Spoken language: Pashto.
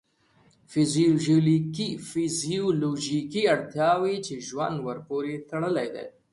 فیزیولوژیکې اړتیاوې چې ژوند ورپورې تړلی دی.